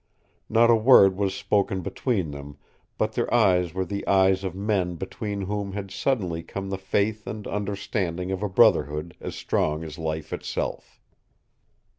Not a word was spoken between them, but their eyes were the eyes of men between whom had suddenly come the faith and understanding of a brotherhood as strong as life itself.